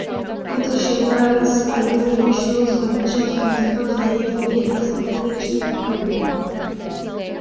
Potential parents are usually chosen by checking the candidates against some selection criteria.